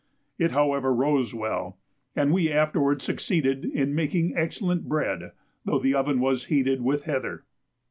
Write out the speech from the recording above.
It however rose well, and we afterwards succeeded in making excellent bread, though the oven was heated with heather.